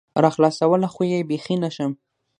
راخلاصولى خو يې بيخي نشم